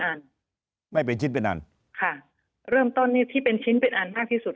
อันไม่เป็นชิ้นเป็นอันค่ะเริ่มต้นนี่ที่เป็นชิ้นเป็นอันมากที่สุด